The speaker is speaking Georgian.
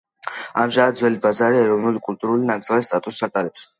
ამჟამად ძველი ბაზარი ეროვნული კულტურული ნაკრძალის სტატუსს ატარებს.